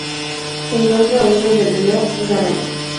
Se encuentra a orillas del río Garona.